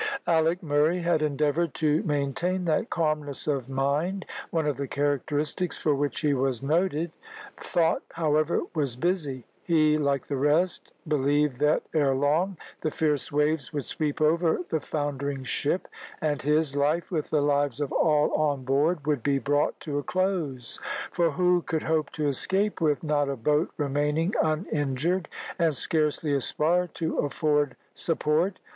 Alick Murray had endeavoured to maintain that calmness of mind, one of the characteristics for which he was noted. Thought, however, was busy. He, like the rest, believed that ere long the fierce waves would sweep over the foundering ship, and his life, with the lives of all on board, would be brought to a close; for who could hope to escape with not a boat remaining uninjured, and scarcely a spar to afford support?